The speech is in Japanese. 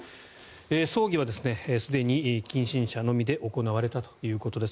葬儀はすでに近親者のみで行われたということです。